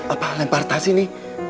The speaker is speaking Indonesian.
apa lempar tas ini